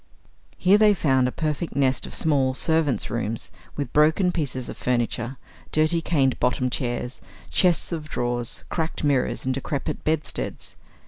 Here they found a perfect nest of small servants' rooms, with broken pieces of furniture, dirty cane bottomed chairs, chests of drawers, cracked mirrors, and decrepit bedsteads.